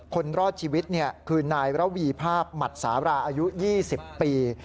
คนรอดชีวิตคือนายระวีภาพหมัดสาราอายุ๒๐ปี